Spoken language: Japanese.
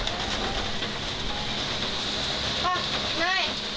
あっ、ない！